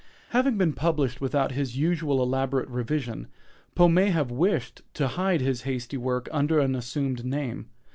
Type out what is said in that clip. Having been published without his usual elaborate revision, Poe may have wished to _hide _his hasty work under an assumed name.